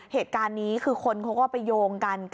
เหตุการณ์นี้คือคนเขาก็ไปโยงกัน